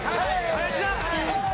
林田！